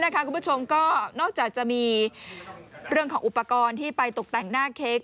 นอกจากจะมีเรื่องของอุปกรณ์ที่ไปตกแต่งหน้าเค้ก